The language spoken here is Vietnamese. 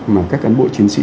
mà các cán bộ chiến sĩ